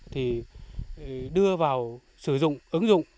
thì đưa vào sử dụng ứng dụng